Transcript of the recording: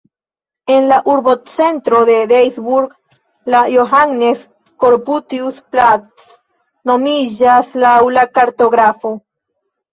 En la urbocentro de Duisburg la "Johannes-Corputius-Platz" nomiĝas laŭ la kartografo.